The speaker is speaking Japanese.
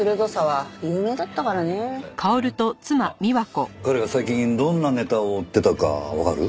あっ彼が最近どんなネタを追ってたかわかる？